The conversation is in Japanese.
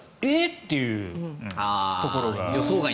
っていうところが。